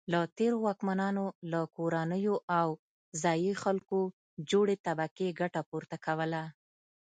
له تېرو واکمنانو له کورنیو او ځايي خلکو جوړې طبقې ګټه پورته کوله.